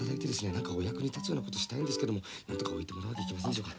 何かお役に立つようなことをしたいんですけどもなんとか置いてもらうわけにいきませんでしょうか？